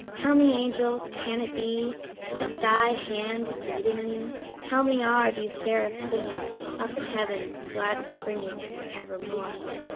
Tell me, Angel, can it be That thy hand is leading me Tell me, are these seraphs singing Up in heaven, gladness bringing Evermore?